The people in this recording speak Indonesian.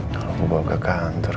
kalau gue bawa ke kantor